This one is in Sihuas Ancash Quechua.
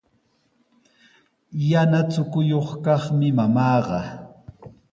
Yana chukuyuq kaqmi mamaaqa.